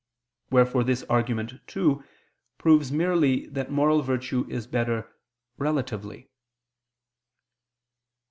Wherefore this argument, too, proves merely that moral virtue is better relatively.